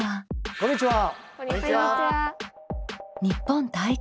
こんにちは。